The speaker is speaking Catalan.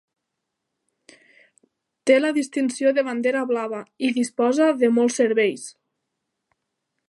Té la distinció de Bandera blava i disposa de molts serveis.